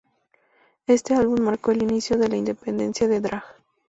Este álbum marcó el inicio de la independencia de Drag.